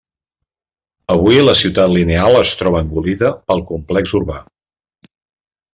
Avui la Ciutat Lineal es troba engolida pel complex urbà.